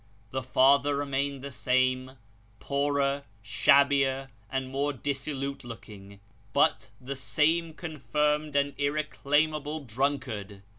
The father remained the same poorer, shabbier, and more dissolute looking, but the same confirmed and irreclaimable drunkard.